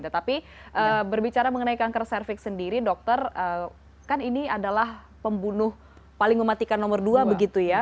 tetapi berbicara mengenai kanker cervix sendiri dokter kan ini adalah pembunuh paling mematikan nomor dua begitu ya